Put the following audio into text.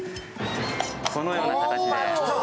このような形で。